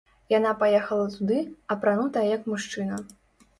Яна паехала туды, апранутая як мужчына.